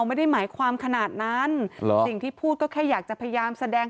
ไม่ได้หมายความขนาดนั้นสิ่งที่พูดก็แค่อยากจะพยายามแสดง